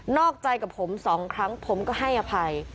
อกใจกับผมสองครั้งผมก็ให้อภัย